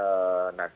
oleh karena itu